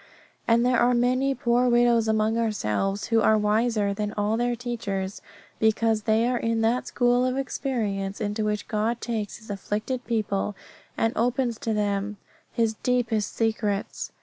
And there are many poor widows among ourselves who are wiser than all their teachers, because they are in that school of experience into which God takes His afflicted people and opens to them His deepest secrets.